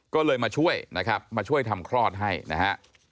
ก็เลยมาช่วยนะครับมาช่วยทำคลอดให้นะฮะ